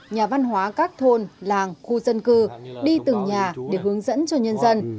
nhà văn hóa các thôn làng khu dân cư đi từng nhà để hướng dẫn cho nhân dân